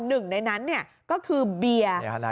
หนึ่งในนั้นก็คือเบียร์